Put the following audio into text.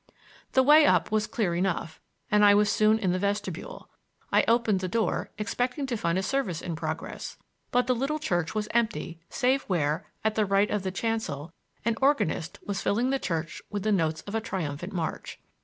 The way up was clear enough, and I was soon in the vestibule. I opened the door, expecting to find a service in progress; but the little church was empty save where, at the right of the chancel, an organist was filling the church with the notes of a triumphant march.